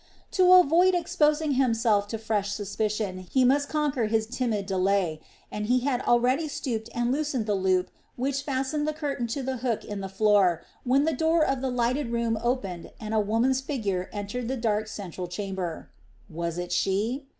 To avoid exposing himself to fresh suspicion, he must conquer his timid delay, and he had already stooped and loosed the loop which fastened the curtain to the hook in the floor, when the door of the lighted room opened and a woman's figure entered the dark central chamber. Was it she?